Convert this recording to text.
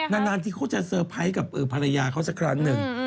นานที่เขาจะเซอร์ไพรส์กับภรรยาเขาสักครั้งหนึ่ง